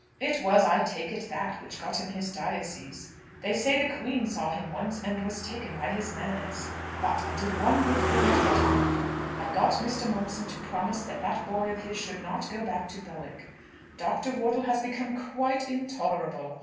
It was, I take it, that which got him his diocese. They say the Queen saw him once, and was taken by his manners. "But I did one good thing at Buttercup. I got Mr. Momson to promise that that boy of his should not go back to Bowick. Dr. Wortle has become quite intolerable.